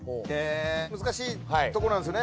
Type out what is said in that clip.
難しいとこなんですよね。